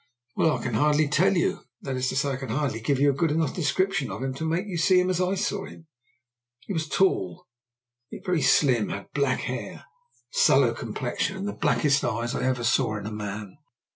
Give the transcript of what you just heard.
"Well, I can hardly tell you that is to say, I can hardly give you a good enough description of him to make you see him as I saw him. He was tall and yet very slim, had black hair, a sallow complexion, and the blackest eyes I ever saw in a man.